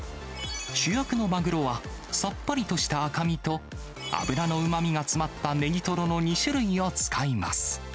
主役のマグロは、さっぱりとした赤身と、脂のうまみが詰まったネギトロの２種類を使います。